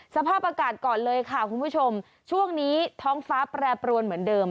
สภาพอากาศก่อนเลยค่ะคุณผู้ชมช่วงนี้ท้องฟ้าแปรปรวนเหมือนเดิม